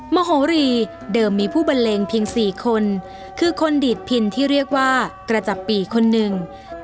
มโหรีเดิมมีผู้บันเลงเพียง๔คนคือคนดีดพินที่เรียกว่ากระจับปีคนหนึ่ง